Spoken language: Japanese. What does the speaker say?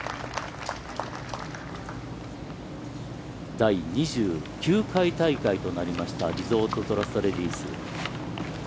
第２９回大会となりましたリゾートトラストレディス。